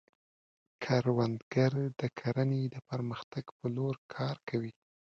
کروندګر د کرنې د پرمختګ په لور کار کوي